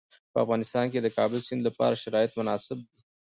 په افغانستان کې د کابل سیند لپاره شرایط مناسب دي.